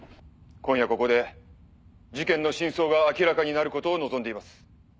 今夜ここで事件の真相が明らかになることを望んでいます。